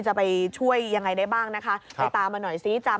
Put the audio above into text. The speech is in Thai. จะไปช่วยอย่างไรได้บ้างไปตามมาหน่อยซี่